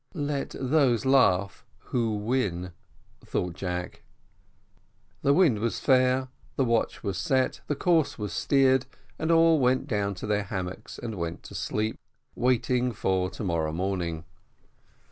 "Let those laugh who win," thought Jack. The wind was fair, the watch was set, the course was steered, and all went down to their hammocks, and went to sleep, waiting for to morrow morning.